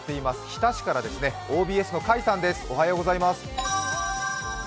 日田市からですね、ＯＢＳの甲斐さんです。